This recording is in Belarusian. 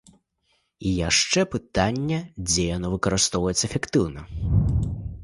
І яшчэ пытанне, дзе яно выкарыстоўваецца эфектыўна.